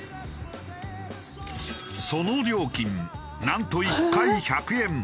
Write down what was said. その料金なんと１回１００円。